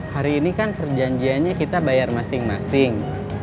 hari ini kan perjanjiannya kita bayar masing masing